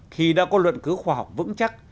khi đã có luận cứu khoa học vững chắc